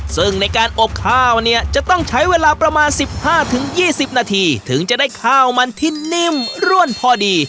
ซึ่งในการอบข้าวเนี่ยจะต้องใช้เวลาประมาณ๑๕๒๐นาทีถึงจะได้ข้าวมันที่นิ่มร่วนพอดี